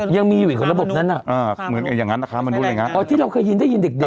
ยังมีอยู่อยู่ของระบบนั้นอะ